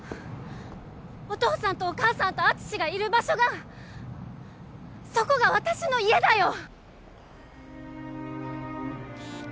お父さんとお母さんと敦がいる場所がそこが私の家だよ！